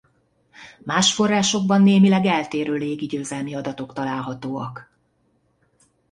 Más forrásokban némileg eltérő légi győzelmi adatok találhatóak.